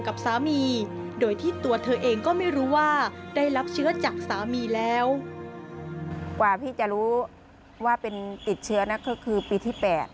กว่าพี่จะรู้ว่าเป็นติดเชื้อนั้นคือปีที่๘